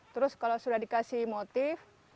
terus kalau sudah dikasih motif